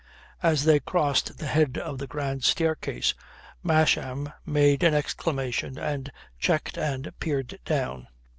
As they crossed the head of the grand staircase Masham made an exclamation and checked and peered down.